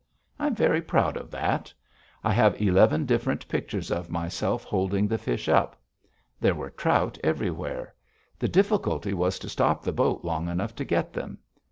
I am very proud of that. I have eleven different pictures of myself holding the fish up. There were trout everywhere. The difficulty was to stop the boat long enough to get them.